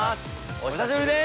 お久しぶりです。